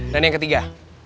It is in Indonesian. dan yang ketiga